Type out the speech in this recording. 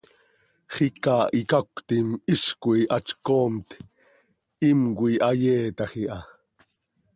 Xiica icacötim hizcoi hatzcoomt, himcoi hayeetaj iha.